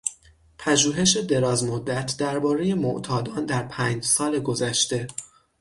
پژوهش دراز مدت دربارهی معتادان در پنج سال گذشته